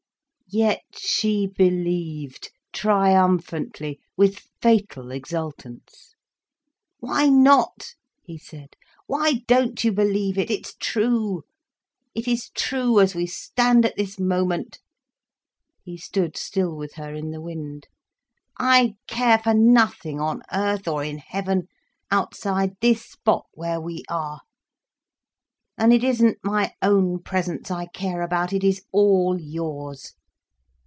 Yet she believed, triumphantly, with fatal exultance. "Why not?" he said. "Why don't you believe it? It's true. It is true, as we stand at this moment—" he stood still with her in the wind; "I care for nothing on earth, or in heaven, outside this spot where we are. And it isn't my own presence I care about, it is all yours.